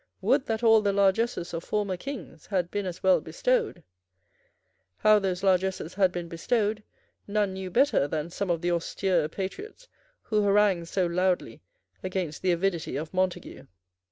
Would that all the largesses of former kings had been as well bestowed! How those largesses had been bestowed none knew better than some of the austere patriots who harangued so loudly against the avidity of Montague.